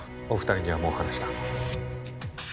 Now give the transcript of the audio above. お二人にはもう話した。